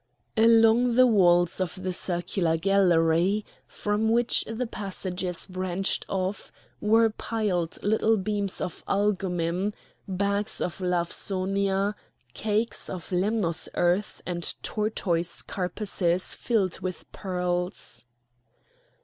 Along the walls of the circular gallery, from which the passages branched off, were piled little beams of algummim, bags of Lawsonia, cakes of Lemnos earth, and tortoise carapaces filled with pearls.